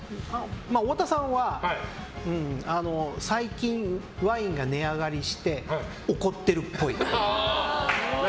太田さんは最近ワインが値上がりして怒ってるっぽい。